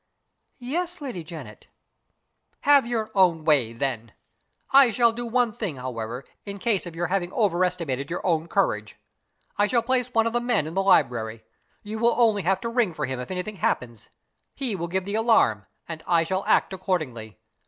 "Yes, Lady Janet." "Have your own way, then. I shall do one thing, however, in case of your having overestimated your own courage. I shall place one of the men in the library. You will only have to ring for him if anything happens. He will give the alarm and I shall act accordingly.